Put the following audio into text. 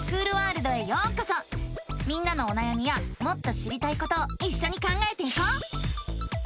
みんなのおなやみやもっと知りたいことをいっしょに考えていこう！